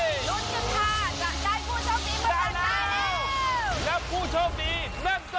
รุ่นขึ้นค่ะจัดการผู้โชคดีมากกว่าใครเนี่ย